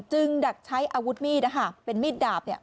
จึงดักใช้อาวุธมีดนะคะเป็นมีดดาบเนี่ย